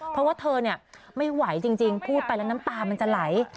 เพราะว่าเธอไม่ไหวจริงพูดไปแล้วน้ำตามันจะไหล